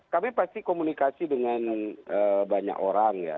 kami pasti komunikasi dengan banyak orang ya